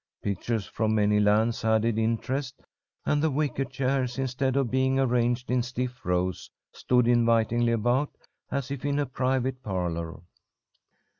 Pictures from many lands added interest, and the wicker chairs, instead of being arranged in stiff rows, stood invitingly about, as if in a private parlour.